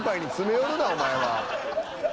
お前は。